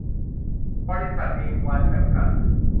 บริษัท นิลวรรณ จำกัด